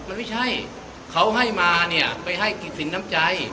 มันไม่ใช่เขาให้มาเนี่ยไปให้กิจสินน้ำใจ